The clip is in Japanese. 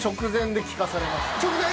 直前？